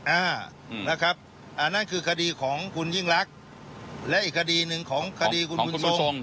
อ่านะครับอันนั้นคือคดีของคุณยิ่งรักและอีกคดีหนึ่งของคดีคุณบุญทรง